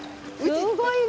すごいね。